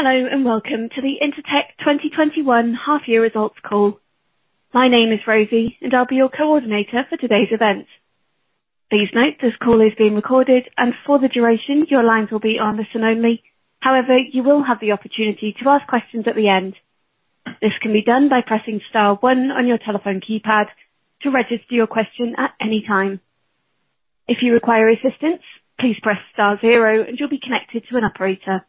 Hello, and welcome to the Intertek 2021 half-year results call. My name is Rosie, and I'll be your coordinator for today's event. Please note, this call is being recorded, and for the duration, your lines will be on listen only. However, you will have the opportunity to ask questions at the end. This can be done by pressing star one on your telephone keypad to register your question at any time. If you require assistance, please press star zero and you'll be connected to an operator.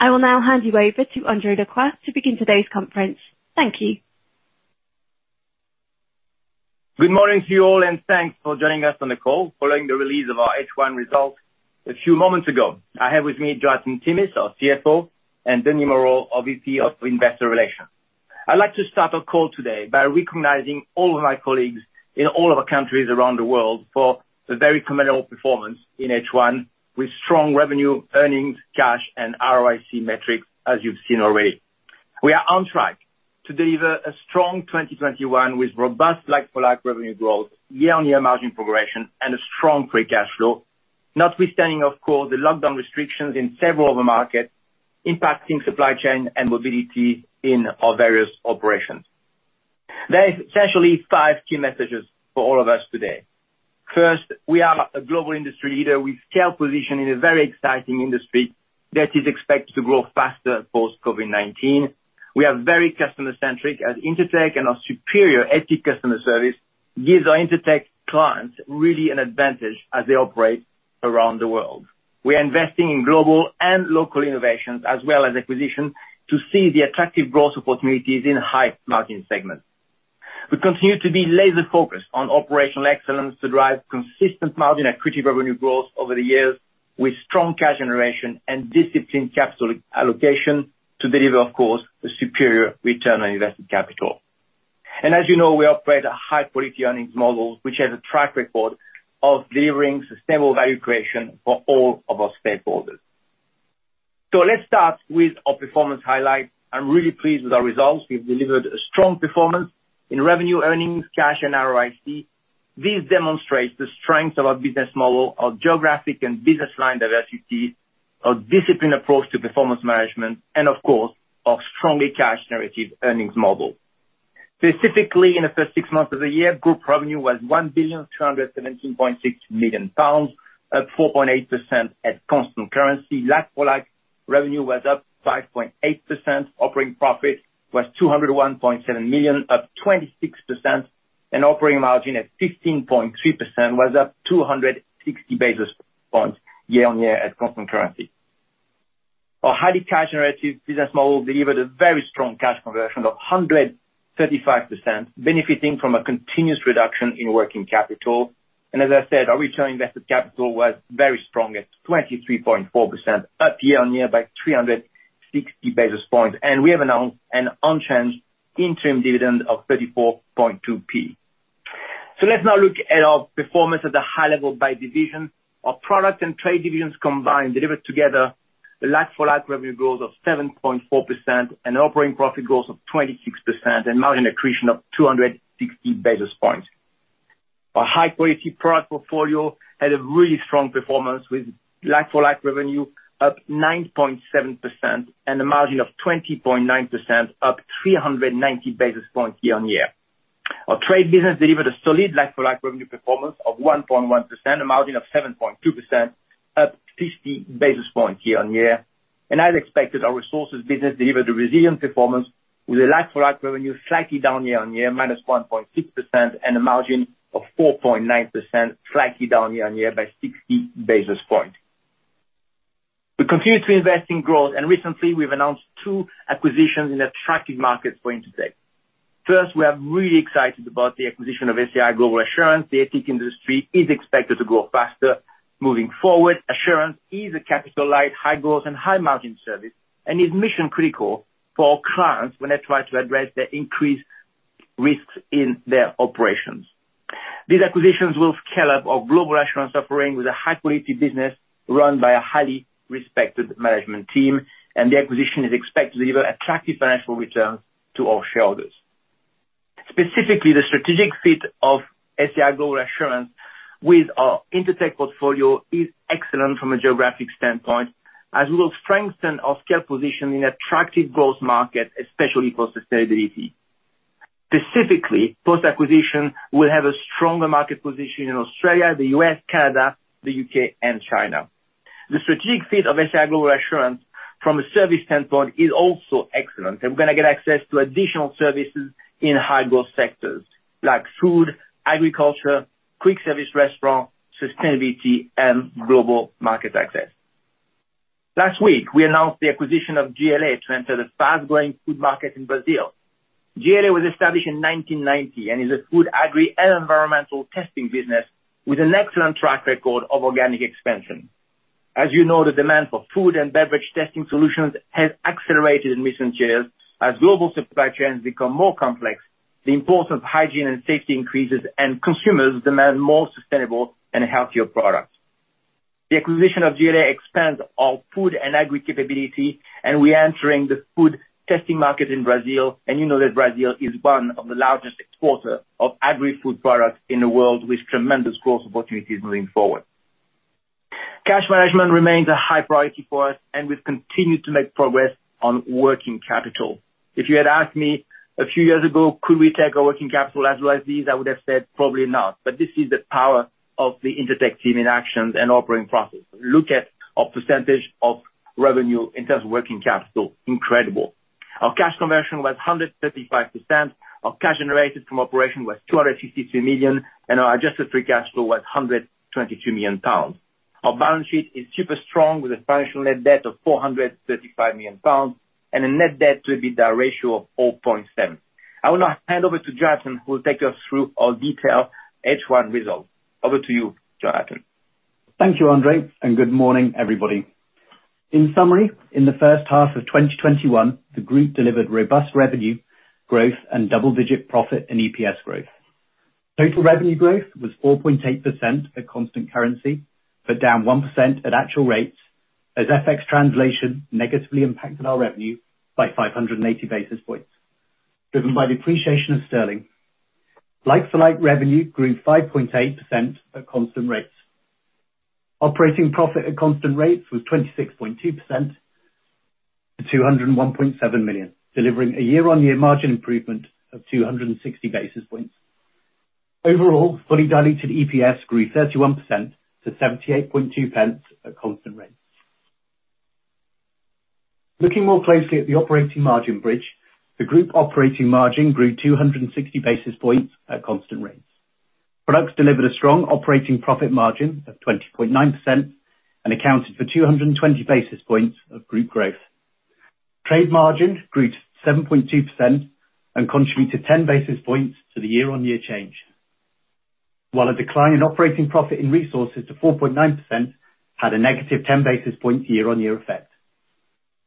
I will now hand you over to André Lacroix to begin today's conference. Thank you. Good morning to you all, and thanks for joining us on the call following the release of our H1 results a few moments ago. I have with me Jonathan Timmis, our CFO, and Denis Moreau, our VP of Investor Relations. I'd like to start our call today by recognizing all of my colleagues in all of our countries around the world for a very commendable performance in H1, with strong revenue, earnings, cash, and ROIC metrics, as you've seen already. We are on track to deliver a strong 2021 with robust like-for-like revenue growth, year-on-year margin progression, and a strong free cash flow. Notwithstanding, of course, the lockdown restrictions in several of the markets impacting supply chain and mobility in our various operations. There is essentially five key messages for all of us today. We are a global industry leader with scale position in a very exciting industry that is expected to grow faster post COVID-19. We are very customer centric as Intertek, our superior ethical customer service gives our Intertek clients really an advantage as they operate around the world. We are investing in global and local innovations, as well as acquisition, to see the attractive growth opportunities in high margin segments. We continue to be laser-focused on operational excellence to drive consistent margin accretive revenue growth over the years, with strong cash generation and disciplined capital allocation to deliver, of course, a superior return on invested capital. As you know, we operate a high-quality earnings model, which has a track record of delivering sustainable value creation for all of our stakeholders. Let's start with our performance highlights. I'm really pleased with our results. We've delivered a strong performance in revenue, earnings, cash, and ROIC. This demonstrates the strength of our business model, our geographic and business line diversity, our disciplined approach to performance management, and of course, our strongly cash generative earnings model. Specifically, in the first six months of the year, group revenue was £1,217.6 million, up 4.8% at constant currency. Like-for-like revenue was up 5.8%, operating profit was 201.7 million, up 26%, and operating margin at 15.3% was up 260 basis points year-on-year at constant currency. Our highly cash generative business model delivered a very strong cash conversion of 135%, benefiting from a continuous reduction in working capital. As I said, our return on invested capital was very strong at 23.4%, up year-on-year by 360 basis points. We have announced an unchanged interim dividend of 0.342. Let's now look at our performance at the high level by division. Our product and trade divisions combined delivered together a like-for-like revenue growth of 7.4% and operating profit growth of 26% and margin accretion of 260 basis points. Our high-quality product portfolio had a really strong performance, with like-for-like revenue up 9.7% and a margin of 20.9% up 390 basis points year-on-year. Our trade business delivered a solid like-for-like revenue performance of 1.1%, a margin of 7.2%, up 50 basis points year-on-year. As expected, our resources business delivered a resilient performance with a like-for-like revenue slightly down year-on-year, minus 1.6%, and a margin of 4.9%, slightly down year-on-year by 60 basis points. We continue to invest in growth. Recently we've announced two acquisitions in attractive markets for Intertek. First, we are really excited about the acquisition of SAI Global Assurance. The ATIC industry is expected to grow faster moving forward. Assurance is a capital light, high-growth, and high-margin service, and is mission-critical for our clients when they try to address their increased risks in their operations. These acquisitions will scale up our global assurance offering with a high-quality business run by a highly respected management team, and the acquisition is expected to deliver attractive financial returns to our shareholders. Specifically, the strategic fit of SAI Global Assurance with our Intertek portfolio is excellent from a geographic standpoint, as we will strengthen our scale position in attractive growth markets, especially for sustainability. Specifically, post-acquisition, we'll have a stronger market position in Australia, the U.S., Canada, the U.K., and China. The strategic fit of SAI Global Assurance from a service standpoint is also excellent, and we're going to get access to additional services in high-growth sectors like food, agriculture, quick service restaurant, sustainability, and global market access. Last week, we announced the acquisition of JLA to enter the fast-growing food market in Brazil. JLA was established in 1990 and is a food, agri, and environmental testing business with an excellent track record of organic expansion. As you know, the demand for food and beverage testing solutions has accelerated in recent years. As global supply chains become more complex, the importance of hygiene and safety increases, and consumers demand more sustainable and healthier products. The acquisition of JLA expands our food and agri capability, and we are entering the food testing market in Brazil. You know that Brazil is one of the largest exporters of agri-food products in the world, with tremendous growth opportunities moving forward. Cash management remains a high priority for us, and we've continued to make progress on working capital. If you had asked me a few years ago, could we take our working capital as low as this? I would have said, "Probably not." This is the power of the Intertek team in actions and operating profits. Look at our percentage of revenue in terms of working capital. Incredible. Our cash conversion was 135%. Our cash generated from operation was 263 million, and our adjusted free cash flow was 122 million pounds. Our balance sheet is super strong, with a financial net debt of 335 million pounds, and a net debt to EBITDA ratio of 0.7. I will now hand over to Jonathan, who will take us through our detailed H1 results. Over to you, Jonathan. Thank you, André. Good morning, everybody. In summary, in the first half of 2021, the group delivered robust revenue growth and double-digit profit and EPS growth. Total revenue growth was 4.8% at constant currency, but down 1% at actual rates, as FX translation negatively impacted our revenue by 580 basis points, driven by the appreciation of sterling. Like-for-like revenue grew 5.8% at constant rates. Operating profit at constant rates was 26.2% to 201.7 million, delivering a year-on-year margin improvement of 260 basis points. Overall, fully diluted EPS grew 31% to 0.782 at constant rates. Looking more closely at the operating margin bridge, the group operating margin grew 260 basis points at constant rates. Products delivered a strong operating profit margin of 20.9% and accounted for 220 basis points of group growth. Trade margin grew 7.2% and contributed 10 basis points to the year-on-year change. A decline in operating profit in resources to 4.9% had a negative 10 basis point year-on-year effect.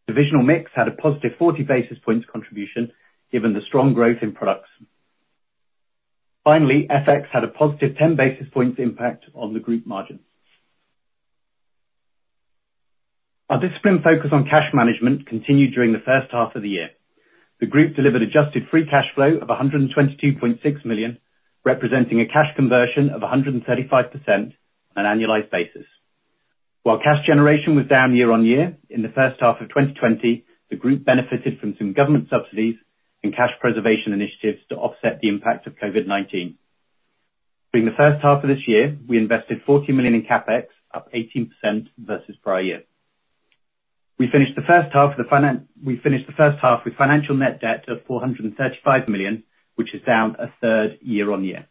Divisional mix had a positive 40 basis points contribution, given the strong growth in products. FX had a positive 10 basis points impact on the group margin. Our disciplined focus on cash management continued during the first half of the year. The group delivered adjusted free cash flow of 122.6 million, representing a cash conversion of 135% on an annualized basis. Cash generation was down year-on-year in the first half of 2020, the group benefited from some government subsidies and cash preservation initiatives to offset the impact of COVID-19. During the first half of this year, we invested 40 million in CapEx, up 18% versus prior year. We finished the first half with financial net debt of 435 million, which is down a third year-on-year.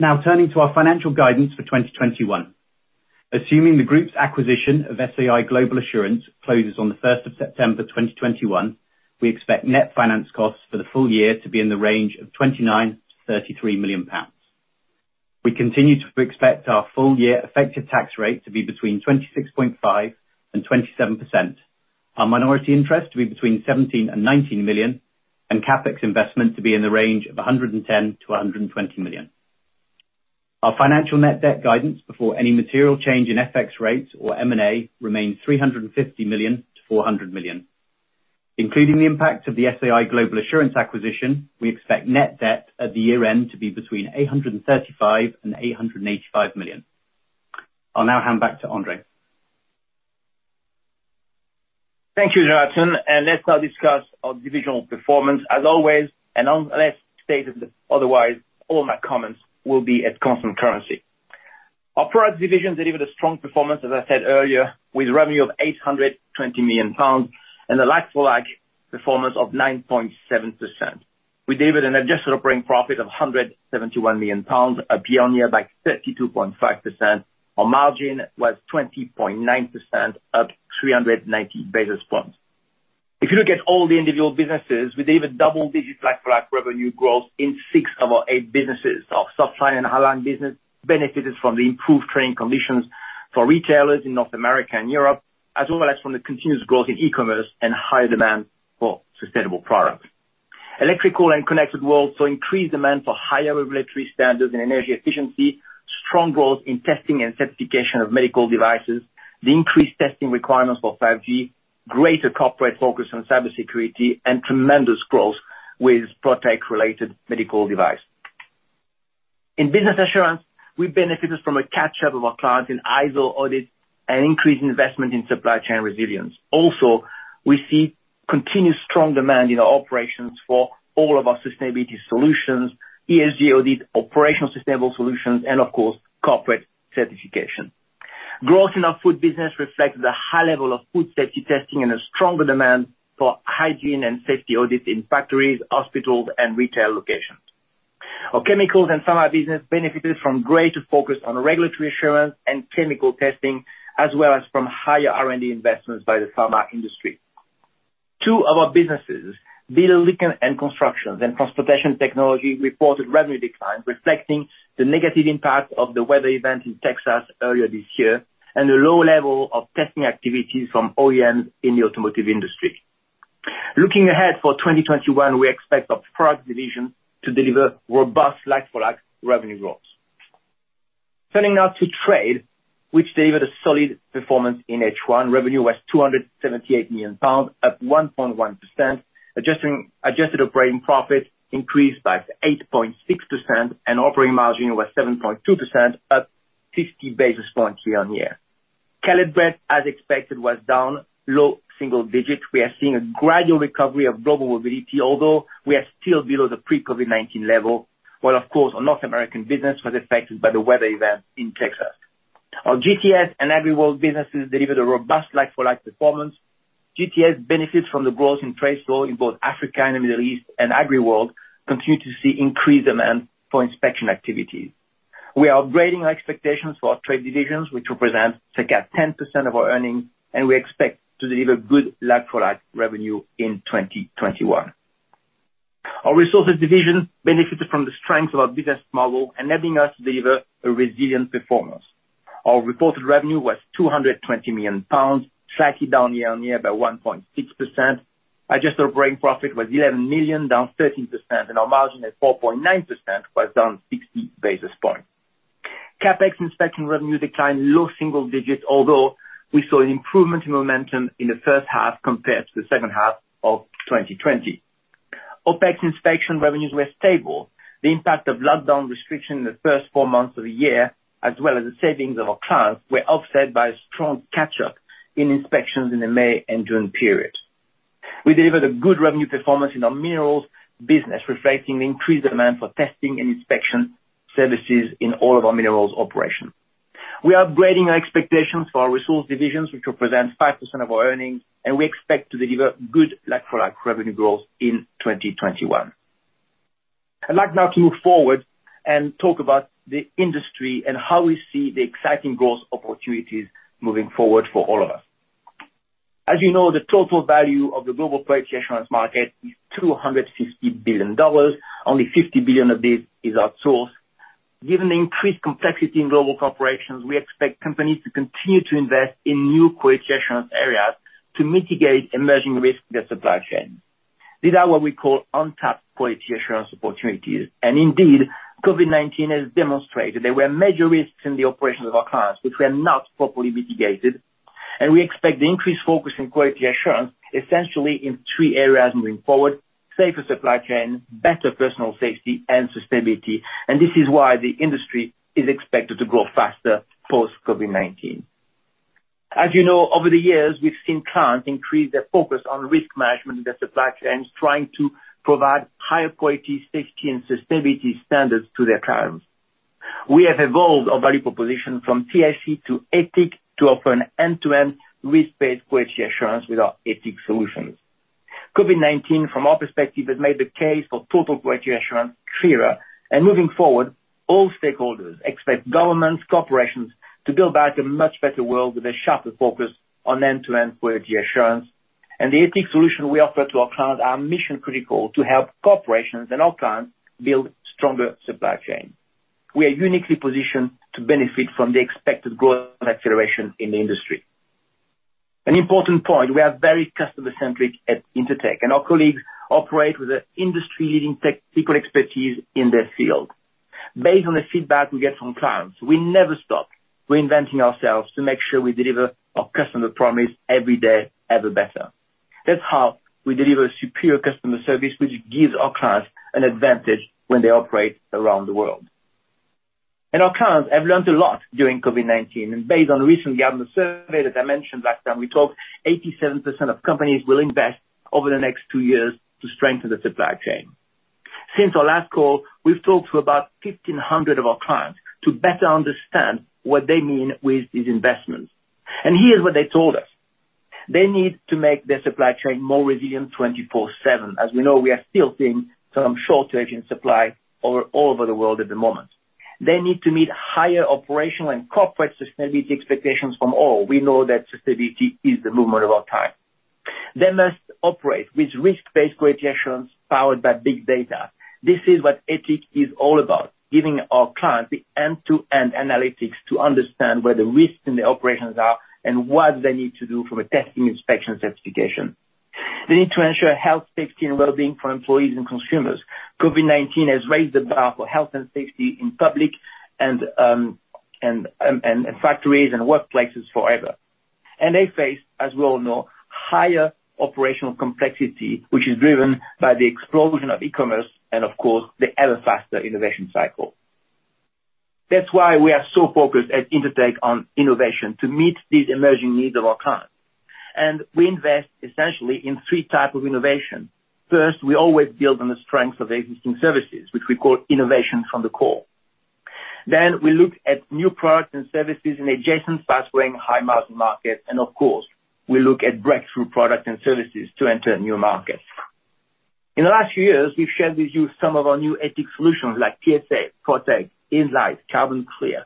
Turning to our financial guidance for 2021. Assuming the group's acquisition of SAI Global Assurance closes on the September 1st 2021, we expect net finance costs for the full year to be in the range of 29 million-33 million pounds. We continue to expect our full year effective tax rate to be between 26.5% and 27%, our minority interest to be between 17 million and 19 million, and CapEx investment to be in the range of 110 million-120 million. Our financial net debt guidance before any material change in FX rates or M&A remains 350 million-400 million. Including the impact of the SAI Global Assurance acquisition, we expect net debt at the year end to be between 835 million and 885 million. I'll now hand back to André. Thank you, Jonathan. Let's now discuss our divisional performance. As always, unless stated otherwise, all my comments will be at constant currency. Our products division delivered a strong performance, as I said earlier, with revenue of 820 million pounds and a like-for-like performance of 9.7%. We delivered an adjusted operating profit of 171 million pounds, up year-on-year by 32.5%. Our margin was 20.9%, up 390 basis points. If you look at all the individual businesses, we delivered double-digit like-for-like revenue growth in six of our eight businesses. Our Softlines and Hardlines business benefited from the improved trading conditions for retailers in North America and Europe, as well as from the continuous growth in e-commerce and higher demand for sustainable products. Electrical and Connected World saw increased demand for higher regulatory standards and energy efficiency, strong growth in testing and certification of medical devices, the increased testing requirements for 5G, greater corporate focus on cybersecurity, and tremendous growth with Protek-related medical device. In Business Assurance, we benefited from a catch-up of our clients in ISO audit and increased investment in supply chain resilience. Also, we see continued strong demand in our operations for all of our sustainability solutions, ESG audits, operational sustainable solutions, and of course, corporate certification. Growth in our Food business reflects the high level of food safety testing and a stronger demand for hygiene and safety audits in factories, hospitals, and retail locations. Our Chemicals & Pharma business benefited from greater focus on regulatory assurance and chemical testing, as well as from higher R&D investments by the pharma industry. Two of our businesses, Building and Construction and Transportation Technologies, reported revenue declines reflecting the negative impact of the weather event in Texas earlier this year, and the low level of testing activities from OEMs in the automotive industry. Looking ahead for 2021, we expect our products division to deliver robust like-for-like revenue growth. Turning now to Trade, which delivered a solid performance in H1. Revenue was 278 million pounds, up 1.1%. Adjusted operating profit increased by 8.6%, and operating margin was 7.2%, up 50 basis points year-on-year. Caleb Brett, as expected, was down low single digits. We are seeing a gradual recovery of global mobility, although we are still below the pre-COVID-19 level, while, of course, our North American business was affected by the weather event in Texas. Our GTS and AgriWorld businesses delivered a robust like-for-like performance. GTS benefits from the growth in trade flow in both Africa and the Middle East, and AgriWorld continue to see increased demand for inspection activities. We are upgrading our expectations for our trade divisions, which represent circa 10% of our earnings, and we expect to deliver good like-for-like revenue in 2021. Our resources division benefited from the strength of our business model, enabling us to deliver a resilient performance. Our reported revenue was £220 million, slightly down year-on-year by 1.6%. Adjusted operating profit was £11 million, down 13%, and our margin at 4.9% was down 60 basis points. CapEx inspection revenue declined low single digits, although we saw an improvement in momentum in the first half compared to the second half of 2020. OpEx inspection revenues were stable. The impact of lockdown restriction in the first four months of the year, as well as the savings of our clients, were offset by strong catch-up in inspections in the May and June periods. We delivered a good revenue performance in our minerals business, reflecting the increased demand for testing and inspection services in all of our minerals operations. We are upgrading our expectations for our resource divisions, which represent 5% of our earnings, and we expect to deliver good like-for-like revenue growth in 2021. I'd like now to move forward and talk about the industry and how we see the exciting growth opportunities moving forward for all of us. As you know, the total value of the global quality assurance market is $250 billion. Only $50 billion of this is outsourced. Given the increased complexity in global corporations, we expect companies to continue to invest in new quality assurance areas to mitigate emerging risks in their supply chain. These are what we call untapped quality assurance opportunities. Indeed, COVID-19 has demonstrated there were major risks in the operations of our clients which were not properly mitigated, and we expect the increased focus in quality assurance, essentially in three areas moving forward, safer supply chain, better personal safety, and sustainability. This is why the industry is expected to grow faster post-COVID-19. As you know, over the years, we've seen clients increase their focus on risk management in their supply chains, trying to provide higher quality, safety, and sustainability standards to their clients. We have evolved our value proposition from TIC to ATIC to offer an end-to-end risk-based quality assurance with our ATIC solutions. COVID-19, from our perspective, has made the case for total quality assurance clearer. Moving forward, all stakeholders expect governments, corporations to build back a much better world with a sharper focus on end-to-end quality assurance. The ATIC solution we offer to our clients are mission-critical to help corporations and our clients build stronger supply chain. We are uniquely positioned to benefit from the expected growth and acceleration in the industry. An important point. We are very customer-centric at Intertek, and our colleagues operate with an industry-leading technical expertise in their field. Based on the feedback we get from clients, we never stop reinventing ourselves to make sure we deliver our customer promise every day, ever better. That's how we deliver superior customer service, which gives our clients an advantage when they operate around the world. Our clients have learned a lot during COVID-19. Based on recent government survey, that I mentioned last time we talked, 87% of companies will invest over the next 2 years to strengthen the supply chain. Since our last call, we've talked to about 1,500 of our clients to better understand what they mean with these investments. Here's what they told us. They need to make their supply chain more resilient 24/7. As we know, we are still seeing some shortage in supply all over the world at the moment. They need to meet higher operational and corporate sustainability expectations from all. We know that sustainability is the movement of our time. They must operate with risk-based quality assurance powered by big data. This is what ATIC is all about, giving our clients the end-to-end analytics to understand where the risks in the operations are and what they need to do from a testing, inspection certification. They need to ensure health, safety, and wellbeing for employees and consumers. COVID-19 has raised the bar for health and safety in public and factories and workplaces forever. They face, as we all know, higher operational complexity, which is driven by the explosion of e-commerce and of course, the ever-faster innovation cycle. That's why we are so focused at Intertek on innovation to meet these emerging needs of our clients. We invest essentially in three types of innovation. First, we always build on the strength of existing services, which we call innovation from the core. We look at new products and services in adjacent fast-growing high-margin markets, and of course, we look at breakthrough products and services to enter new markets. In the last years, we've shared with you some of our new ATIC solutions like PSA, Protek, InSite, CarbonClear.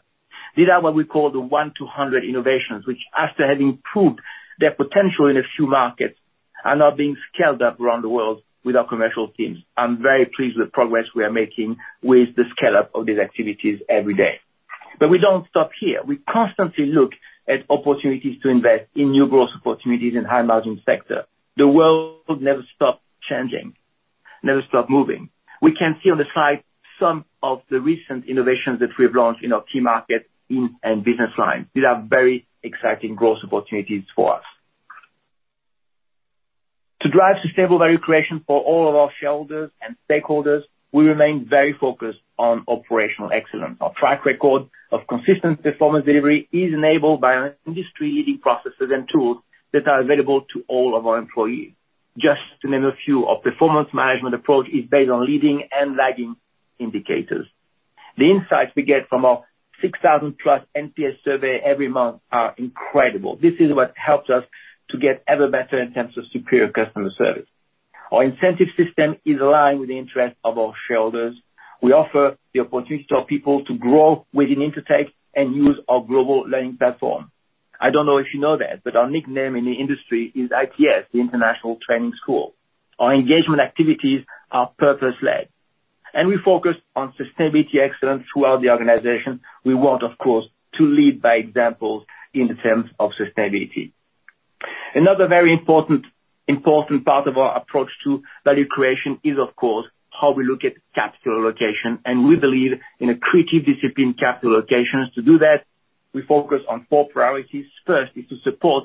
These are what we call the 1 to 100 innovations, which after having proved their potential in a few markets, are now being scaled up around the world with our commercial teams. I'm very pleased with the progress we are making with the scale-up of these activities every day. We don't stop here. We constantly look at opportunities to invest in new growth opportunities in high-margin sector. The world never stops changing, never stop moving. We can see on the side some of the recent innovations that we've launched in our key markets and business line. These are very exciting growth opportunities for us. To drive sustainable value creation for all of our shareholders and stakeholders, we remain very focused on operational excellence. Our track record of consistent performance delivery is enabled by our industry-leading processes and tools that are available to all of our employees. Just to name a few, our performance management approach is based on leading and lagging indicators. The insights we get from our 6,000-plus NPS survey every month are incredible. This is what helps us to get ever better in terms of superior customer service. Our incentive system is aligned with the interest of our shareholders. We offer the opportunity to our people to grow within Intertek and use our global learning platform. I don't know if you know that, but our nickname in the industry is ITS, the International Training School. Our engagement activities are purpose-led, and we focus on sustainability excellence throughout the organization. We want, of course, to lead by example in the terms of sustainability. Another very important part of our approach to value creation is, of course, how we look at capital allocation, and we believe in accretive discipline capital allocation. To do that, we focus on four priorities. First is to support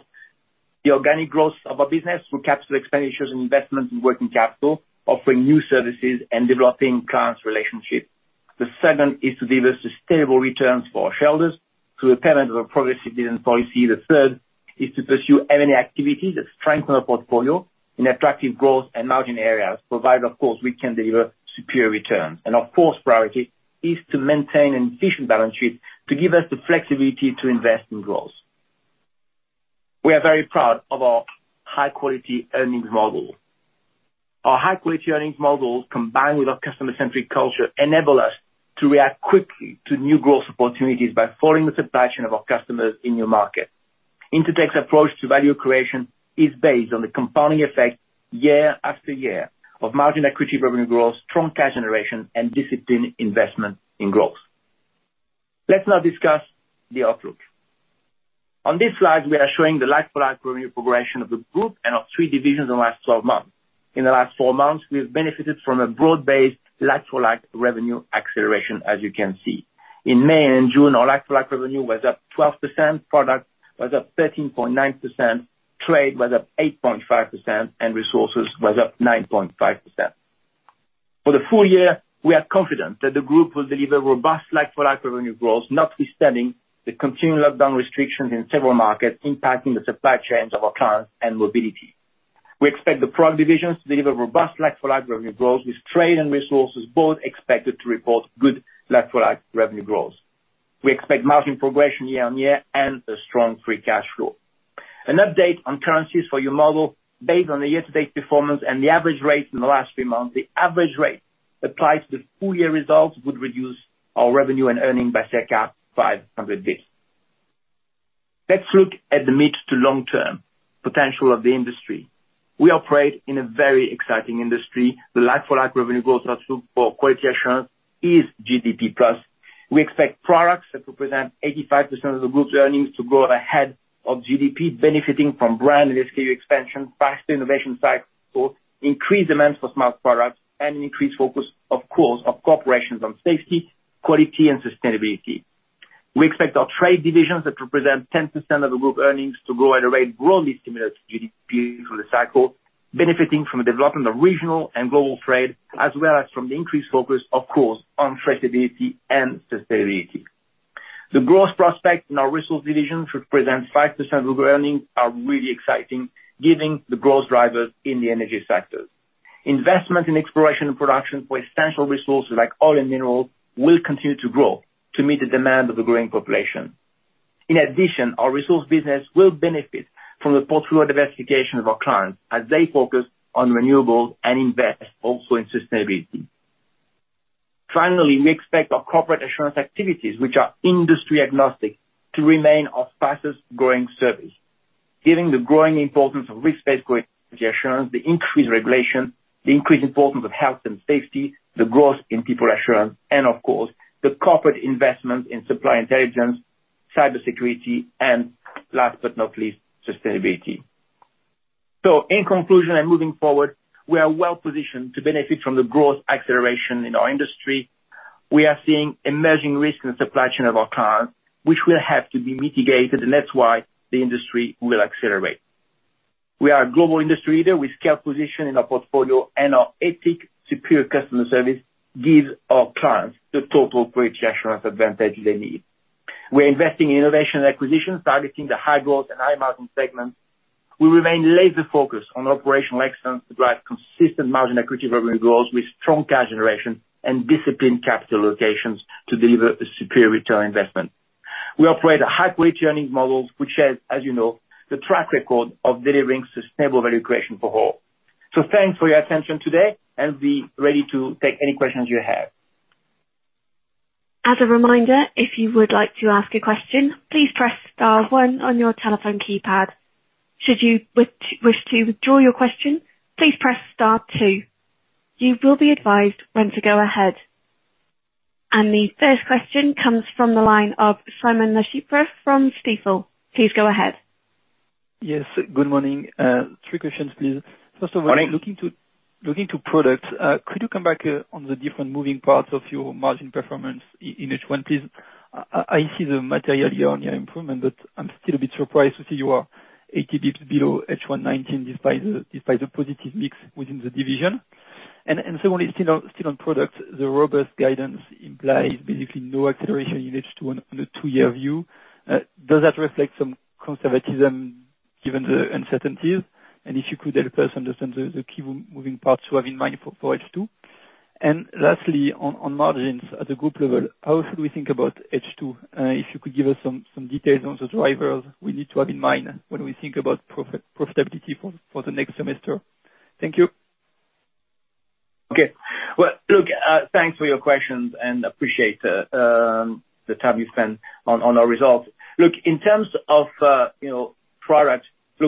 the organic growth of our business through capital expenditures and investment in working capital, offering new services and developing clients' relationships. The second is to deliver sustainable returns for our shareholders through the payment of a progressive dividend policy. The third is to pursue M&A activities that strengthen our portfolio in attractive growth and margin areas, provided, of course, we can deliver superior returns. Our fourth priority is to maintain an efficient balance sheet to give us the flexibility to invest in growth. We are very proud of our high-quality earnings model. Our high-quality earnings model, combined with our customer-centric culture, enable us to react quickly to new growth opportunities by following the supply chain of our customers in new markets. Intertek's approach to value creation is based on the compounding effect year after year of margin accretive revenue growth, strong cash generation, and disciplined investment in growth. Let's now discuss the outlook. On this slide, we are showing the like-for-like revenue progression of the group and our three divisions in the last 12 months. In the last four months, we've benefited from a broad-based, like-for-like revenue acceleration, as you can see. In May and June, our like-for-like revenue was up 12%, Product was up 13.9%, Trade was up 8.5%, and Resources was up 9.5%. For the full year, we are confident that the group will deliver robust, like-for-like revenue growth, notwithstanding the continued lockdown restrictions in several markets impacting the supply chains of our clients and mobility. We expect the Product divisions to deliver robust, like-for-like revenue growth, with Trade and Resources both expected to report good like-for-like revenue growth. We expect margin progression year on year and a strong free cash flow. An update on currencies for your model based on the year-to-date performance and the average rate in the last three months, the average rate applied to the full-year results would reduce our revenue and earnings by circa 500 basis. Let's look at the mid to long-term potential of the industry. We operate in a very exciting industry. The like-for-like revenue growth for quality assurance is GDP plus. We expect products that represent 85% of the group's earnings to grow ahead of GDP, benefiting from brand and SKU expansion, faster innovation cycles, increased demand for smart products, and an increased focus, of course, on corporations on safety, quality, and sustainability. We expect our trade divisions that represent 10% of the group earnings to grow at a rate broadly similar to GDP through the cycle, benefiting from the development of regional and global trade, as well as from the increased focus, of course, on traceability and sustainability. The growth prospect in our resource division, which represents 5% of earnings, are really exciting given the growth drivers in the energy sectors. Investment in exploration and production for essential resources like oil and minerals will continue to grow to meet the demand of the growing population. In addition, our resource business will benefit from the portfolio diversification of our clients as they focus on renewables and invest also in sustainability. Finally, we expect our corporate assurance activities, which are industry agnostic, to remain our fastest-growing service. Given the growing importance of risk-based quality assurance, the increased regulation, the increased importance of health and safety, the growth in people assurance, and of course, the corporate investment in supply intelligence, cybersecurity, and last but not least, sustainability. In conclusion and moving forward, we are well-positioned to benefit from the growth acceleration in our industry. We are seeing emerging risks in the supply chain of our clients, which will have to be mitigated, and that's why the industry will accelerate. We are a global industry leader with scale position in our portfolio, and our ATIC secure customer service gives our clients the total quality assurance advantage they need. We're investing in innovation and acquisitions, targeting the high-growth and high-margin segments. We remain laser-focused on operational excellence to drive consistent margin equity revenue growth with strong cash generation and disciplined capital allocations to deliver a superior return on investment. We operate a high-quality earnings model, which has, as you know, the track record of delivering sustainable value creation for all. Thanks for your attention today, and we're ready to take any questions you have. As a reminder, if you would like to ask a question, please press star one on your telephone keypad. If you do wish to withdraw your question please press two. You will be advised when to go ahead. The first question comes from the line of Simon Lechipre from Stifel. Please go ahead. Yes. Good morning. Three questions, please. Morning Looking to products, could you come back on the different moving parts of your margin performance in H1, please? I see the material year-on-year improvement, I'm still a bit surprised to see you are 80 basis points below H1 2019, despite the positive mix within the division. Secondly, still on products, the robust guidance implies basically no acceleration in H2 on a two-year view. Does that reflect some conservatism given the uncertainties? If you could help us understand the key moving parts to have in mind for H2. Lastly, on margins at the group level, how should we think about H2? If you could give us some details on the drivers we need to have in mind when we think about profitability for the next semester. Thank you. Okay. Well, look, thanks for your questions. Appreciate the time you spend on our results. Look, in terms of Products,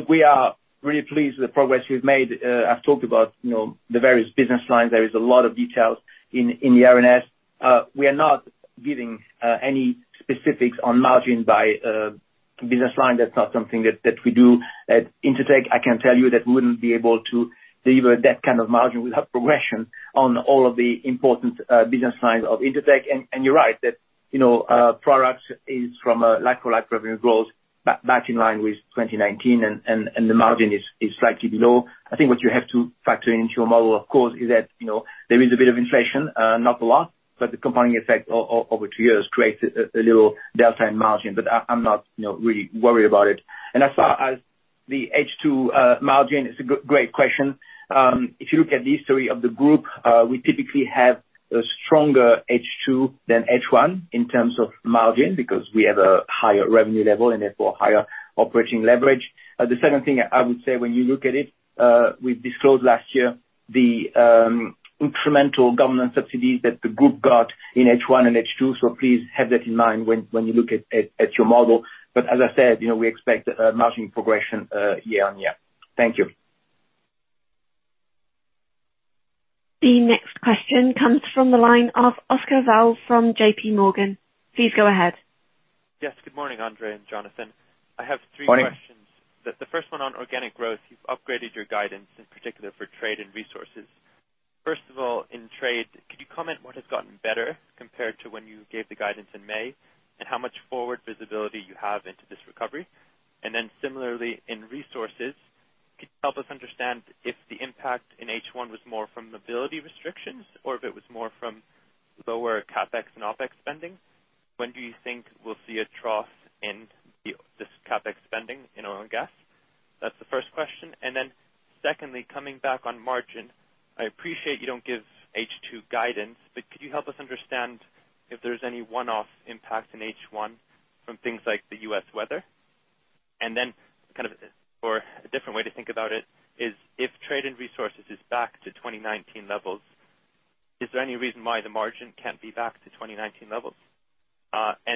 we are really pleased with the progress we've made. I've talked about the various business lines. There is a lot of details in the RNS. We are not giving any specifics on margin by business line. That's not something that we do at Intertek. I can tell you that we wouldn't be able to deliver that kind of margin without progression on all of the important business lines of Intertek. You're right that, Products is from a like-for-like revenue growth, back in line with 2019, and the margin is slightly below. I think what you have to factor into your model, of course, is that there is a bit of inflation, not a lot, but the compounding effect over two years creates a little delta in margin. I'm not really worried about it. As far as the H2 margin, it's a great question. If you look at history of the group, we typically have a stronger H2 than H1 in terms of margin, because we have a higher revenue level and therefore higher operating leverage. The second thing I would say when you look at it, we've disclosed last year the incremental government subsidies that the group got in H1 and H2, so please have that in mind when you look at your model. As I said, we expect a margin progression year on year. Thank you. The next question comes from the line of Oscar Val from JPMorgan. Please go ahead. Yes. Good morning, André and Jonathan. Morning. I have three questions. The first one on organic growth. You've upgraded your guidance, in particular for trade and resources. First of all, in trade, could you comment what has gotten better compared to when you gave the guidance in May, and how much forward visibility you have into this recovery? Similarly, in resources, could you help us understand if the impact in H1 was more from mobility restrictions or if it was more from lower CapEx and OpEx spending? When do you think we'll see a trough in this CapEx spending in oil and gas? That's the first question. Secondly, coming back on margin, I appreciate you don't give H2 guidance, but could you help us understand if there's any one-off impact in H1 from things like the U.S. weather? Then, kind of, or a different way to think about it is if Trade and Resources is back to 2019 levels, is there any reason why the margin can't be back to 2019 levels?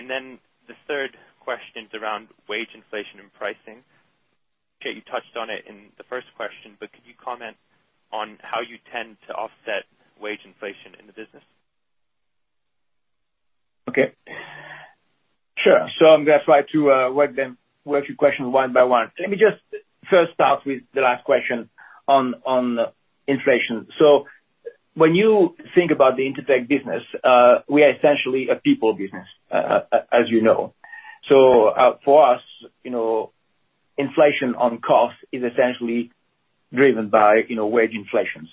Then the third question is around wage inflation and pricing. I get you touched on it in the first question, but could you comment on how you tend to offset wage inflation in the business? Okay. Sure. I'm going to try to work your questions one by one. Let me just first start with the last question on inflation. When you think about the Intertek business, we are essentially a people business, as you know. For us, inflation on cost is essentially driven by wage inflations.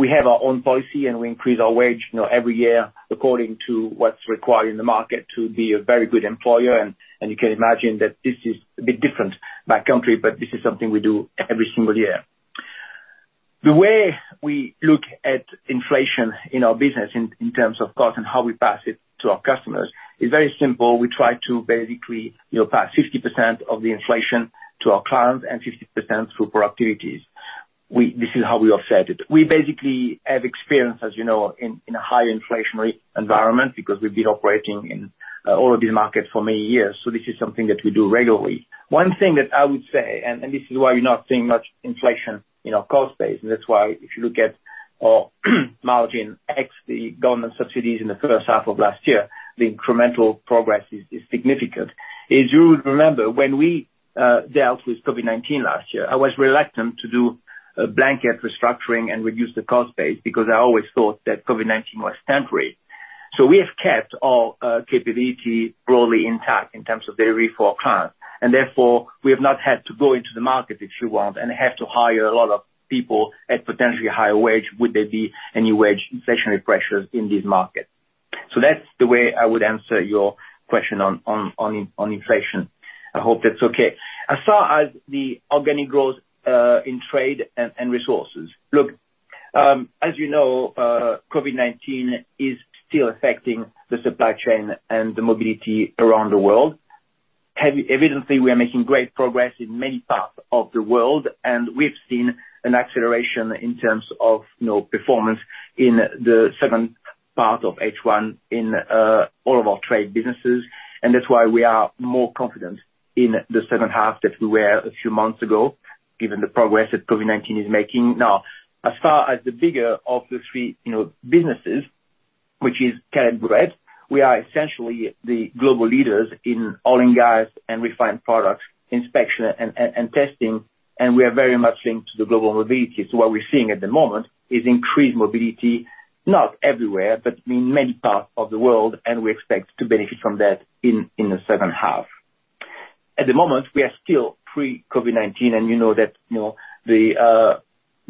We have our own policy, and we increase our wage every year according to what's required in the market to be a very good employer, and you can imagine that this is a bit different by country, but this is something we do every single year. The way we look at inflation in our business in terms of cost and how we pass it to our customers is very simple. We try to basically pass 50% of the inflation to our clients and 50% through productivities. This is how we offset it. We basically have experience, as you know, in a high inflationary environment because we've been operating in all of these markets for many years. This is something that we do regularly. One thing that I would say, and this is why you're not seeing much inflation in our cost base, and that's why if you look at our margin ex the government subsidies in the first half of last year, the incremental progress is significant. As you would remember, when we dealt with COVID-19 last year, I was reluctant to do a blanket restructuring and reduce the cost base because I always thought that COVID-19 was temporary. We have kept our capability broadly intact in terms of delivery for our clients. Therefore, we have not had to go into the market, if you want, and have to hire a lot of people at potentially higher wage would there be any wage inflationary pressures in these markets. That's the way I would answer your question on inflation. I hope that's okay. As far as the organic growth, in trade and resources. Look, as you know, COVID-19 is still affecting the supply chain and the mobility around the world. Evidently, we are making great progress in many parts of the world, and we've seen an acceleration in terms of performance in the second part of H1 in all of our trade businesses, and that's why we are more confident in the second half than we were a few months ago, given the progress that COVID-19 is making. As far as the bigger of the three businesses, which is Caleb Brett. We are essentially the global leaders in oil and gas and refined products inspection and testing, and we are very much linked to global mobility. What we're seeing at the moment is increased mobility, not everywhere, but in many parts of the world, and we expect to benefit from that in the second half. At the moment, we are still pre-COVID-19, and you know that the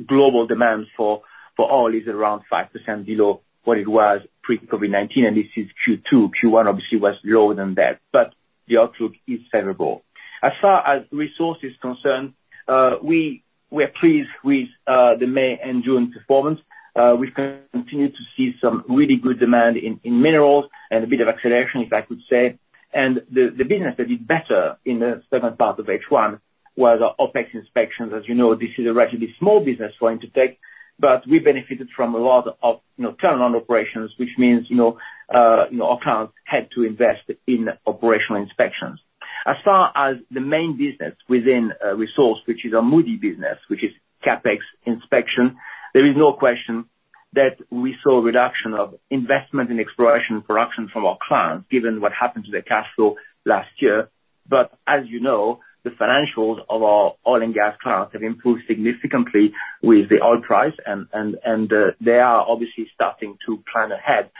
global demand for oil is around 5% below what it was pre-COVID-19, and this is Q2. Q1 obviously was lower than that, but the outlook is favorable. As far as resource is concerned, we are pleased with the May and June performance. We continue to see some really good demand in minerals and a bit of acceleration, if I could say. The business that did better in the second part of H1 was our OpEx inspections. As you know, this is a relatively small business for Intertek, but we benefited from a lot of turnaround operations, which means our clients had to invest in operational inspections. As far as the main business within Resource, which is our Moody business, which is CapEx inspection, there is no question that we saw a reduction of investment in exploration and production from our clients, given what happened to their cash flow last year. As you know, the financials of our oil and gas clients have improved significantly with the oil price, and they are obviously starting to plan ahead.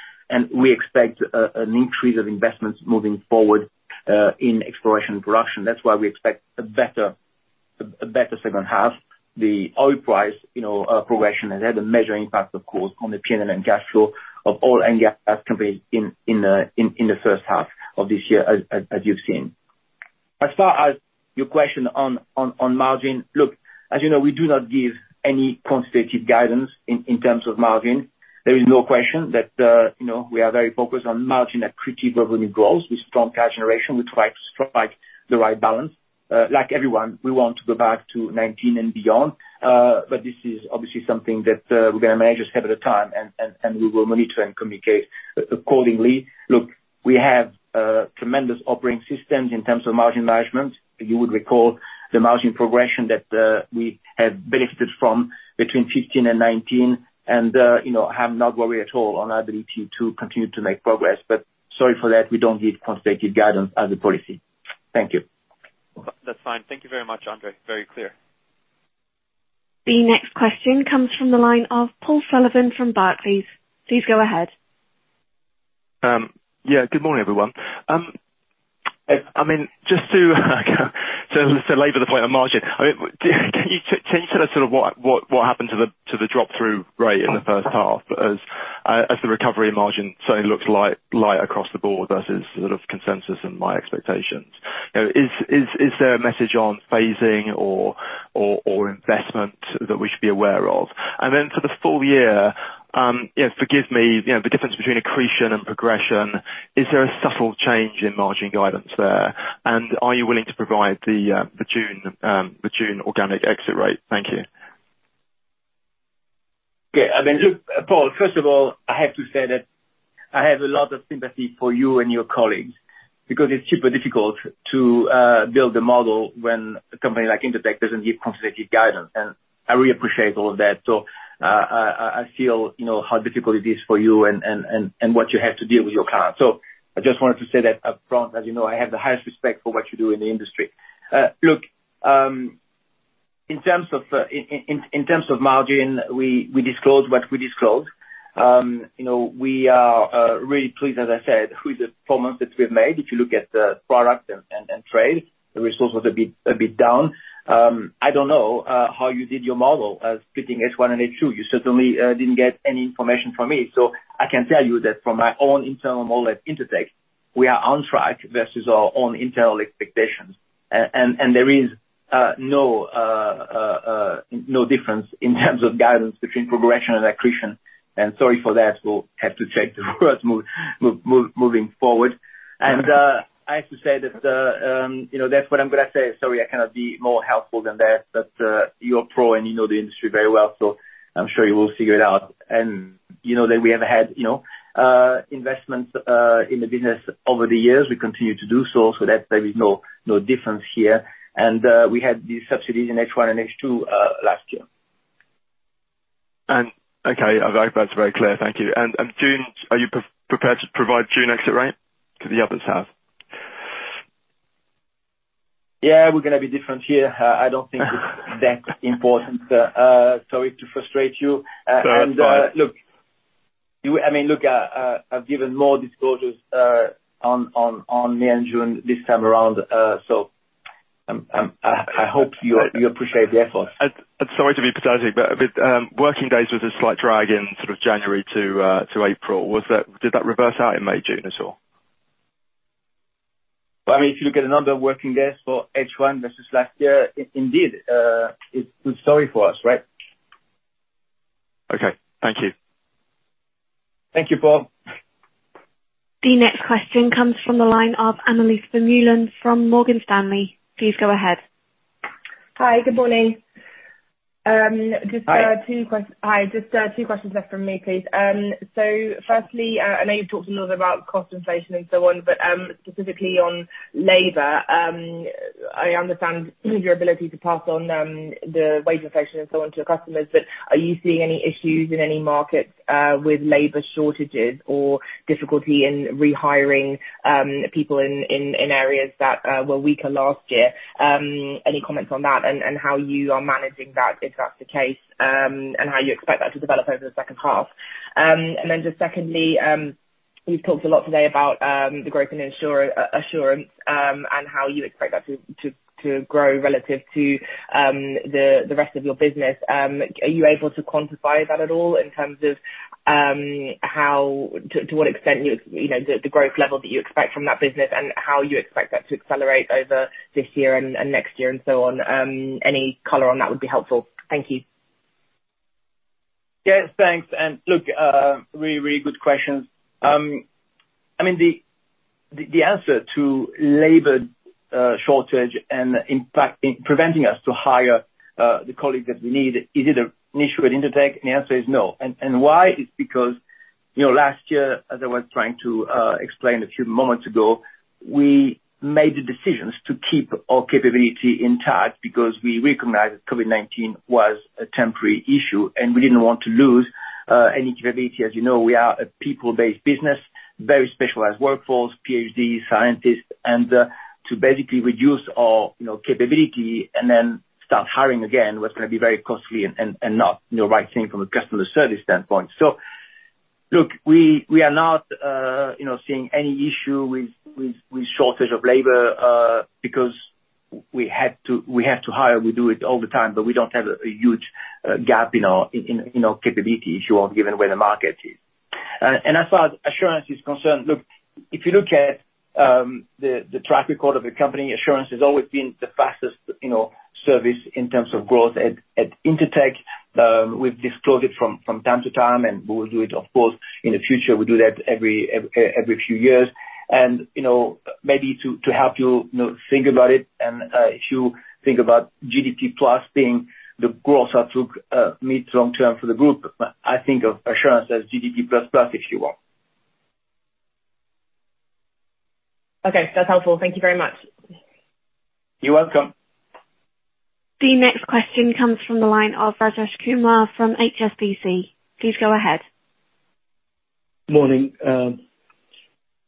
We expect an increase of investments moving forward, in exploration and production. That's why we expect a better second half. The oil price progression has had a major impact, of course, on the P&L and cash flow of oil and gas companies in the first half of this year, as you've seen. As far as your question on margin, look, as you know, we do not give any quantitative guidance in terms of margin. There is no question that we are very focused on margin accretive revenue growth with strong cash generation. We try to strike the right balance. Like everyone, we want to go back to 2019 and beyond. This is obviously something that we're going to manage a step at a time, and we will monitor and communicate accordingly. Look, we have tremendous operating systems in terms of margin management. You would recall the margin progression that we have benefited from between 2015 and 2019, and I have no worry at all on our ability to continue to make progress. Sorry for that, we don't give quantitative guidance as a policy. Thank you. That's fine. Thank you very much, André. Very clear. The next question comes from the line of Paul Sullivan from Barclays. Please go ahead. Yeah. Good morning, everyone. Just to labor the point on margin, can you tell us sort of what happened to the drop-through rate in the first half as the recovery margin certainly looks light across the board versus sort of consensus and my expectations? Is there a message on phasing or investment that we should be aware of? Then for the full year, forgive me, the difference between accretion and progression, is there a subtle change in margin guidance there? Are you willing to provide the June organic exit rate? Thank you. Look, Paul, first of all, I have to say that I have a lot of sympathy for you and your colleagues because it is super difficult to build a model when a company like Intertek doesn't give quantitative guidance, and I really appreciate all of that. I feel how difficult it is for you and what you have to deal with your clients. I just wanted to say that up front. As you know, I have the highest respect for what you do in the industry. Look, in terms of margin, we disclose what we disclose. We are really pleased, as I said, with the performance that we've made. If you look at the product and trade, the resource was a bit down. I don't know how you did your model fitting H1 and H2. You certainly didn't get any information from me. I can tell you that from my own internal model at Intertek, we are on track versus our own internal expectations. There is no difference in terms of guidance between progression and accretion. Sorry for that. We'll have to check the words moving forward. I have to say that that's what I'm going to say. Sorry, I cannot be more helpful than that, but you're a pro, and you know the industry very well, so I'm sure you will figure it out. You know that we have had investments in the business over the years. We continue to do so that there is no difference here. We had these subsidies in H1 and H2 last year. Okay. That's very clear. Thank you. June, are you prepared to provide June exit rate? Because the others have. Yeah, we're going to be different here. I don't think it's that important. Sorry to frustrate you. That's all right. Look, I've given more disclosures on May and June this time around. I hope you appreciate the effort. Sorry to be pedantic, working days was a slight drag in sort of January to April. Did that reverse out in May, June at all? If you look at the number of working days for H1 versus last year, indeed, it's a good story for us, right? Okay. Thank you. Thank you, Paul. The next question comes from the line of Annelies Vermeulen from Morgan Stanley. Please go ahead. Hi. Good morning. Hi. Hi. Just two questions left from me, please. firstly, I know you've talked a lot about cost inflation and so on, but specifically on labor. I understand your ability to pass on the wage inflation and so on to your customers, but are you seeing any issues in any markets with labor shortages or difficulty in rehiring people in areas that were weaker last year? Any comments on that and how you are managing that, if that's the case, and how you expect that to develop over H2? just secondly, we've talked a lot today about the growth in Assurance, and how you expect that to grow relative to the rest of your business. Are you able to quantify that at all in terms of to what extent the growth level that you expect from that business, and how you expect that to accelerate over this year and next year and so on? Any color on that would be helpful. Thank you. Yes, Thanks. Look, really good questions. The answer to labor shortage and preventing us to hire the colleagues that we need, is it an issue at Intertek? The answer is no. Why? It's because last year, as I was trying to explain a few moments ago, we made the decisions to keep our capability intact because we recognized that COVID-19 was a temporary issue, and we didn't want to lose any capability. As you know, we are a people-based business, very specialized workforce, PhDs, scientists, and to basically reduce our capability and then start hiring again was going to be very costly and not the right thing from a customer service standpoint. Look, we are not seeing any issue with shortage of labor, because we have to hire. We do it all the time, but we don't have a huge gap in our capability issue or given where the market is. As far as assurance is concerned, look, if you look at the track record of the company, assurance has always been the fastest service in terms of growth at Intertek. We've disclosed it from time to time, and we will do it, of course, in the future. We do that every few years. Maybe to help you think about it, if you think about GDP plus being the growth outlook mid, long term for the group, I think of assurance as GDP plus plus, if you want. Okay. That's helpful. Thank you very much. You're welcome. The next question comes from the line of Rajesh Kumar from HSBC. Please go ahead. Morning.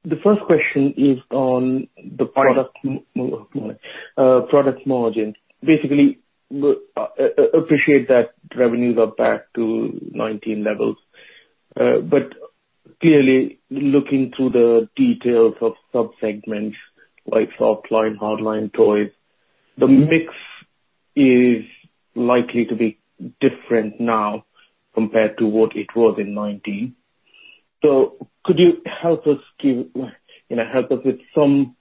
The first question is on the- Product product margin. Appreciate that revenues are back to 2019 levels. Clearly, looking through the details of sub-segments like Softlines, Hardlines toys, the mix is likely to be different now compared to what it was in 2019. Could you help us with some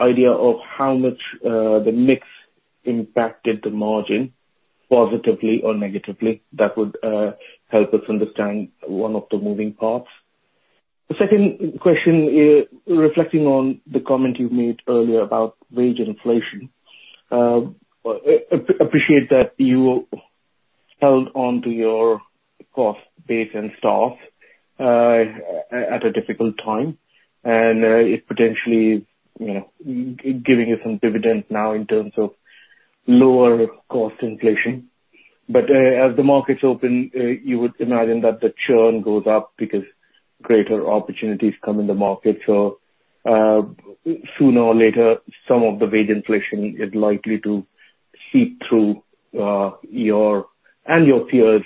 idea of how much the mix impacted the margin positively or negatively? That would help us understand one of the moving parts. The second question, reflecting on the comment you've made earlier about wage inflation. Appreciate that you held onto your cost base and staff at a difficult time, and it potentially giving you some dividends now in terms of lower cost inflation. As the markets open, you would imagine that the churn goes up because greater opportunities come in the market. Sooner or later, some of the wage inflation is likely to seep through your and your peers'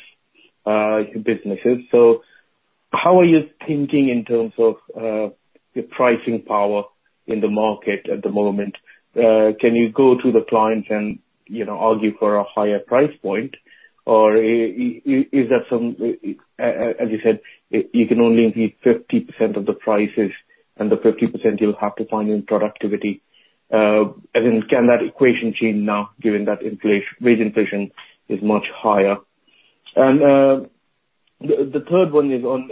businesses. How are you thinking in terms of your pricing power in the market at the moment? Can you go to the client and argue for a higher price point, or as you said, you can only increase 50% of the prices, and the 50% you'll have to find in productivity? Can that equation change now given that wage inflation is much higher? The third one is on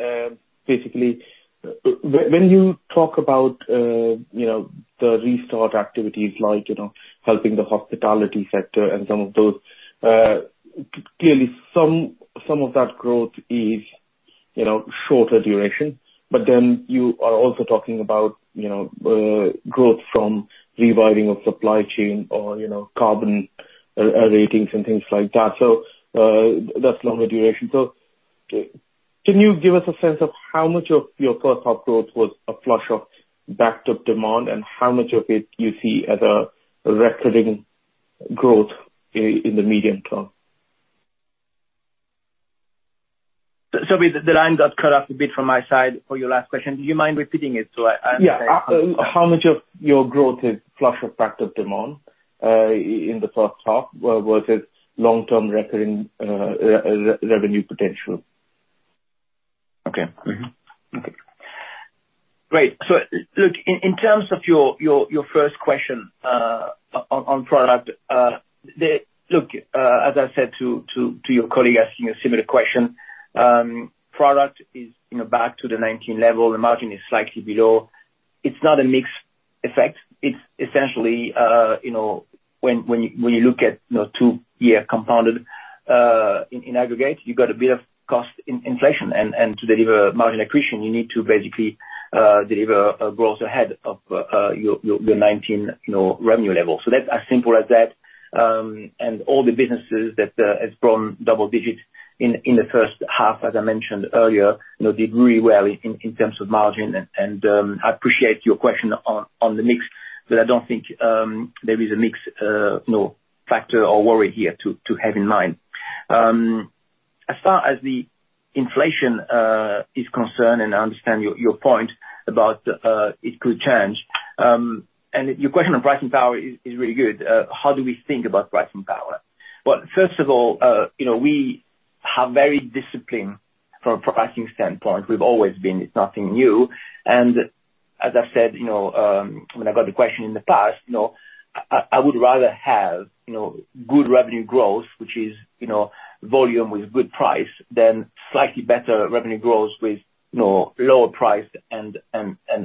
basically, when you talk about the restart activities like helping the hospitality sector and some of those, clearly some of that growth is shorter duration. You are also talking about growth from reviving of supply chain or carbon ratings and things like that. That's longer duration. Can you give us a sense of how much of your first half growth was a flush of backed-up demand, and how much of it you see as a recurring growth in the medium term? The line got cut off a bit from my side for your last question. Do you mind repeating it so I understand? Yeah. How much of your growth is flush of backed-up demand in the first half versus long-term recurring revenue potential? Okay. Mm-hmm. Okay. Great. Look, in terms of your first question on product, look, as I said to your colleague asking a similar question, product is back to the 2019 level. The margin is slightly below. It's not a mix effect. It's essentially when you look at two-year compounded in aggregate, you've got a bit of cost inflation. To deliver margin accretion, you need to basically deliver a growth ahead of your 2019 revenue level. That's as simple as that. All the businesses that has grown double digits in the first half, as I mentioned earlier, did really well in terms of margin. I appreciate your question on the mix, but I don't think there is a mix factor or worry here to have in mind. As far as the inflation is concerned, and I understand your point about it could change. Your question on pricing power is really good. How do we think about pricing power? Well, first of all, we have very disciplined from a pricing standpoint. We've always been. It's nothing new. As I said when I got the question in the past, I would rather have good revenue growth, which is volume with good price, than slightly better revenue growth with lower price and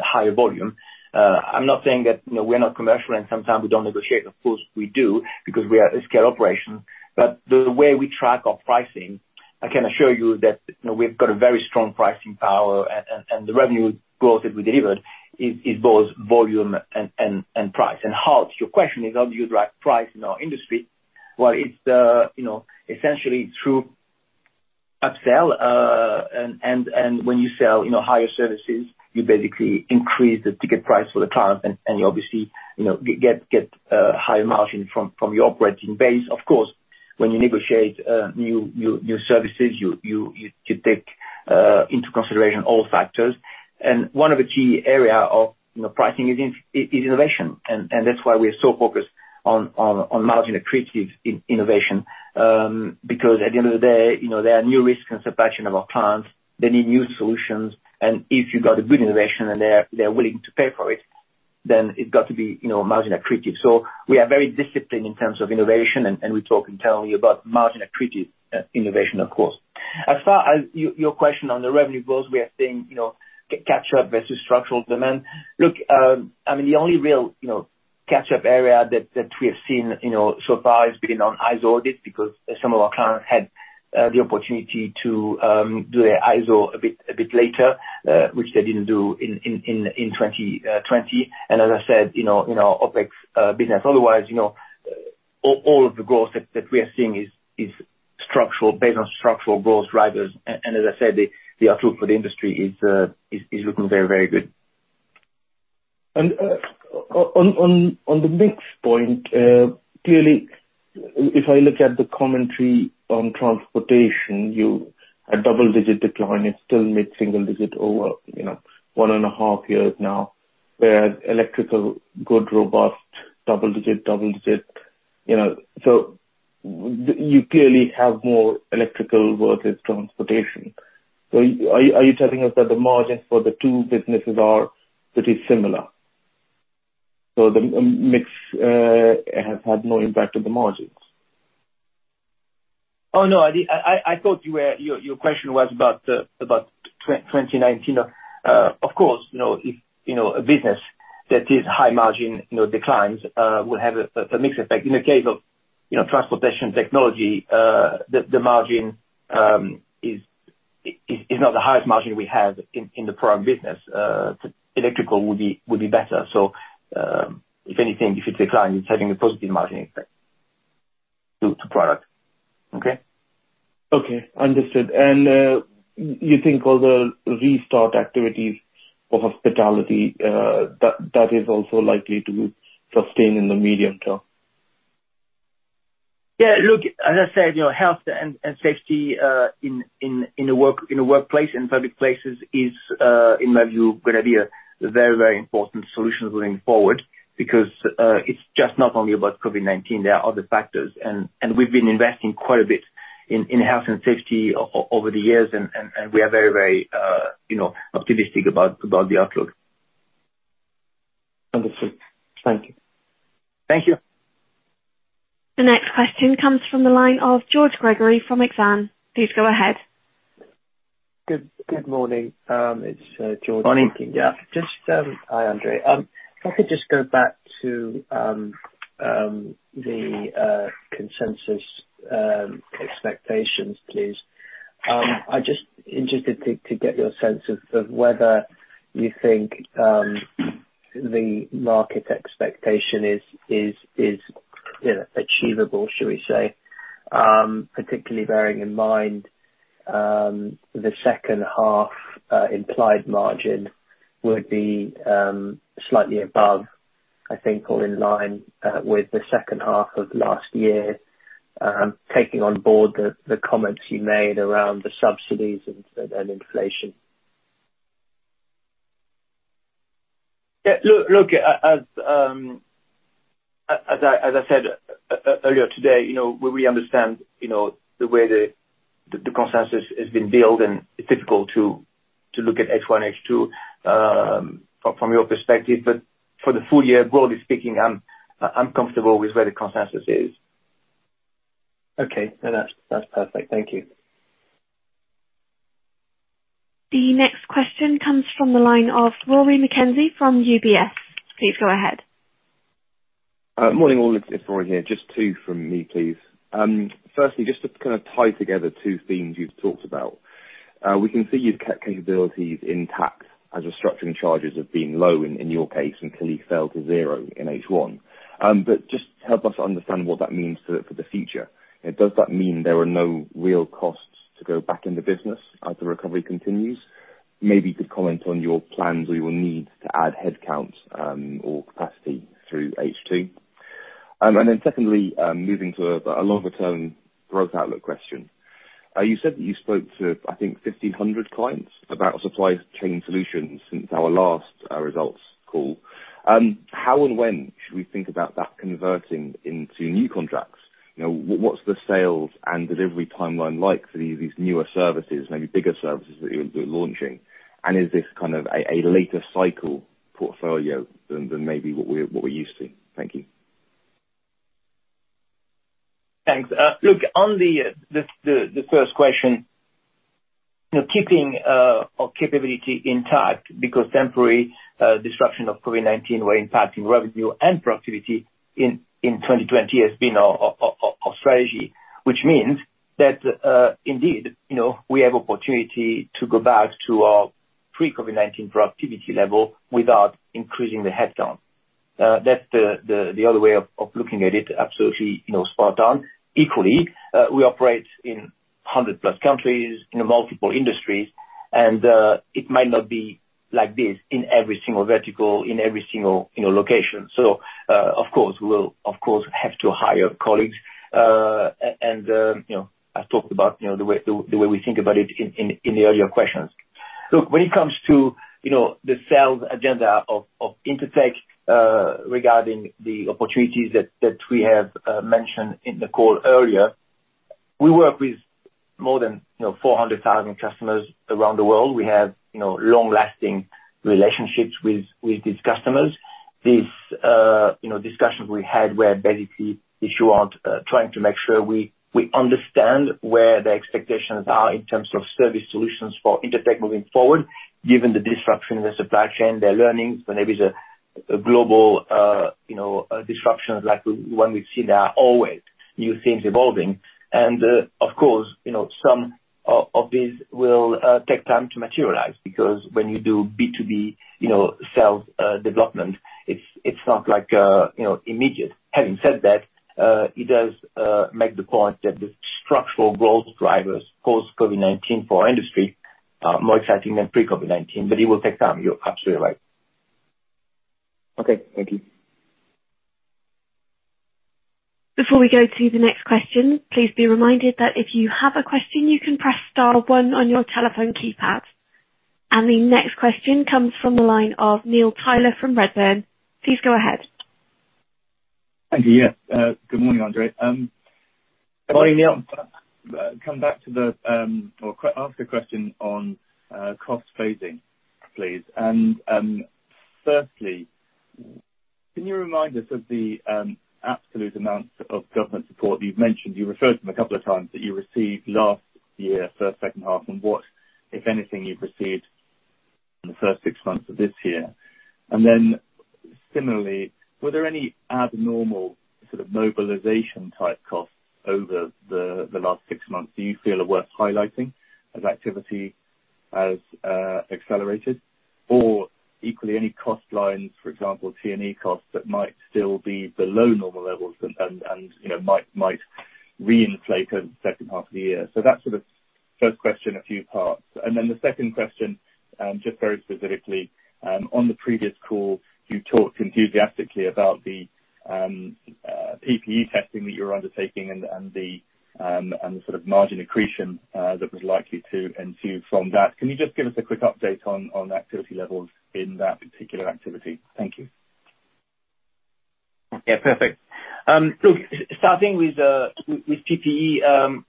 higher volume. I'm not saying that we're not commercial and sometimes we don't negotiate. Of course, we do, because we are a scale operation. The way we track our pricing, I can assure you that we've got a very strong pricing power, and the revenue growth that we delivered is both volume and price. Heart, your question is, how do you drive price in our industry? Well, it's essentially through upsell, and when you sell higher services, you basically increase the ticket price for the client and you obviously get higher margin from your operating base. Of course, when you negotiate new services, you take into consideration all factors. One of the key areas of pricing is innovation. That's why we are so focused on margin-accretive innovation. Because at the end of the day, there are new risks and subtraction of our clients. They need new solutions. If you've got a good innovation and they're willing to pay for it, then it's got to be margin accretive. We are very disciplined in terms of innovation and we talk internally about margin-accretive innovation, of course. As far as your question on the revenue growth we are seeing, catch-up versus structural demand. Look, the only real catch-up area that we have seen so far has been on ISO audit because some of our clients had the opportunity to do their ISO a bit later, which they didn't do in 2020. As I said, OpEx business. Otherwise, all of the growth that we are seeing is based on structural growth drivers. As I said, the outlook for the industry is looking very, very good. On the mix point, clearly if I look at the commentary on Transportation, a double-digit decline, it still mid-single digit over one and a half years now. Electrical, good, robust, double digit. You clearly have more Electrical versus Transportation. Are you telling us that the margin for the two businesses are pretty similar? The mix has had no impact on the margins. Oh, no. I thought your question was about 2019. Of course, if a business that is high margin declines will have a mix effect. In the case of Transportation Technologies, the margin is not the highest margin we have in the product business. Electrical would be better. If anything, if it declines, it's having a positive margin effect to product. Okay? Okay. Understood. You think all the restart activities for hospitality, that is also likely to sustain in the medium term? Yeah. Look, as I said, health and safety in a workplace, in public places is, in my view, going to be a very important solution going forward because it's just not only about COVID-19, there are other factors. We've been investing quite a bit in health and safety over the years, and we are very optimistic about the outlook. Understood. Thank you. Thank you. The next question comes from the line of George Gregory from Exane. Please go ahead. Good morning. It's George speaking. Morning. Yeah. Hi, André. If I could just go back to the consensus expectations, please. I am just interested to get your sense of whether you think the market expectation is achievable, should we say? Particularly bearing in mind the second half implied margin would be slightly above, I think, or in line with the second half of last year, taking on board the comments you made around the subsidies and inflation. Yeah. Look, as I said earlier today, we understand the way the consensus has been built, and it's difficult to look at H1, H2 from your perspective. For the full year, broadly speaking, I'm comfortable with where the consensus is. Okay. That's perfect. Thank you. The next question comes from the line of Rory McKenzie from UBS. Please go ahead. Morning, all. It's Rory here. Just two from me, please. Firstly, just to kind of tie together two themes you've talked about. We can see you've kept capabilities intact as restructuring charges have been low in your case, and clearly fell to zero in H1. Just help us understand what that means for the future. Does that mean there are no real costs to go back into business as the recovery continues? Maybe you could comment on your plans or your need to add headcount or capacity through H2. Secondly, moving to a longer-term growth outlook question. You said that you spoke to, I think, 1,500 clients about supply chain solutions since our last results call. How and when should we think about that converting into new contracts? What's the sales and delivery timeline like for these newer services, maybe bigger services that you'll be launching? Is this kind of a later cycle portfolio than maybe what we're used to? Thank you. Thanks. On the first question, keeping our capability intact because temporary disruption of COVID-19 were impacting revenue and productivity in 2020 has been our strategy. Indeed, we have opportunity to go back to our pre-COVID-19 productivity level without increasing the headcount. That's the other way of looking at it. Absolutely spot on. We operate in 100+ countries, in multiple industries. It might not be like this in every single vertical, in every single location. Of course, we will have to hire colleagues. I've talked about the way we think about it in the earlier questions. When it comes to the sales agenda of Intertek regarding the opportunities that we have mentioned in the call earlier, we work with more than 400,000 customers around the world. We have long-lasting relationships with these customers. These discussions we had were basically trying to make sure we understand where the expectations are in terms of service solutions for Intertek moving forward, given the disruption in the supply chain, their learnings. When there is a global disruption like the one we've seen, there are always new things evolving. Of course, some of these will take time to materialize, because when you do B2B sales development, it's not immediate. Having said that, it does make the point that the structural growth drivers post-COVID-19 for our industry are more exciting than pre-COVID-19, but it will take time. You're absolutely right. Okay. Thank you. Before we go to the next question, please be reminded that if you have a question, you can press star one on your telephone keypad. The next question comes from the line of Neil Tyler from Redburn. Please go ahead. Thank you. Yeah. Good morning, André. Morning, Neil. Come back to ask a question on cost phasing, please. Firstly, can you remind us of the absolute amount of government support you've mentioned? You referred to them a couple of times, that you received last year, first, second half, and what, if anything, you've received in the first six months of this year. Similarly, were there any abnormal sort of mobilization-type costs over the last six months that you feel are worth highlighting as activity has accelerated? Equally, any cost lines, for example, T&E costs, that might still be below normal levels and might reinflate in the second half of the year. That's sort of first question, a few parts. The second question, just very specifically, on the previous call, you talked enthusiastically about the PPE testing that you were undertaking and the sort of margin accretion that was likely to ensue from that. Can you just give us a quick update on activity levels in that particular activity? Thank you. Perfect. Starting with PPE,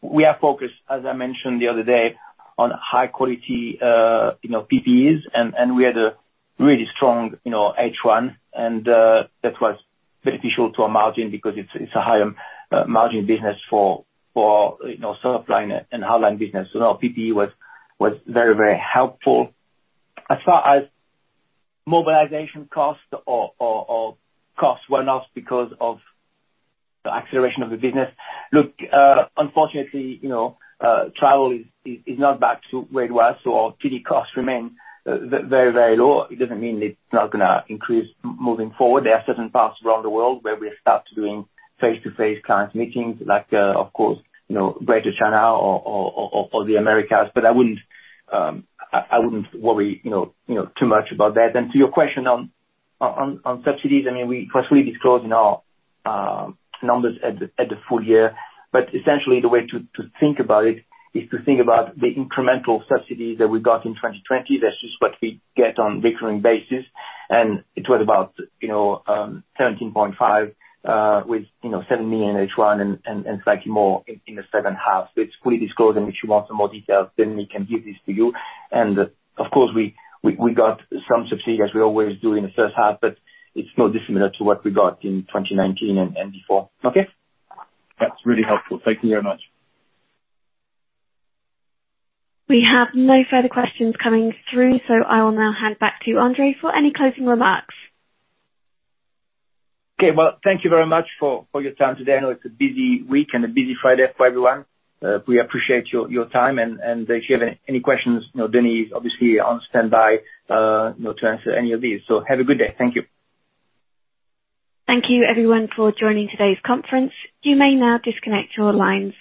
we are focused, as I mentioned the other day, on high-quality PPEs. We had a really strong H1, and that was beneficial to our margin because it's a higher margin business for Softline and Hardline business. Our PPE was very helpful. As far as mobilization cost or cost one-offs because of the acceleration of the business, unfortunately, travel is not back to where it was, our T&E costs remain very low. It doesn't mean it's not going to increase moving forward. There are certain parts around the world where we have started doing face-to-face client meetings, like of course Greater China or the Americas. I wouldn't worry too much about that. To your question on subsidies, of course, we disclose in our numbers at the full year. Essentially the way to think about it is to think about the incremental subsidies that we got in 2020. That's just what we get on recurring basis. It was about 17.5 with 7 million H1 and slightly more in the second half. It's fully disclosed, and if you want some more details, then we can give this to you. Of course, we got some subsidies, as we always do in the first half, but it's no dissimilar to what we got in 2019 and before. Okay. That's really helpful. Thank you very much. We have no further questions coming through. I will now hand back to André for any closing remarks. Okay. Well, thank you very much for your time today. I know it's a busy week and a busy Friday for everyone. We appreciate your time. If you have any questions, Denis is obviously on standby to answer any of these. Have a good day. Thank you. Thank you everyone for joining today's conference. You may now disconnect your lines.